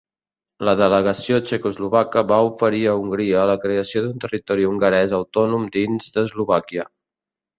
La delegació txecoslovaca va oferir a Hongria la creació d'un territori hongarès autònom dins d'Eslovàquia.